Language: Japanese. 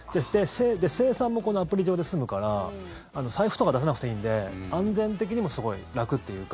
精算もこのアプリ上で済むから財布とか出さなくていいんで安全的にもすごい楽っていうか。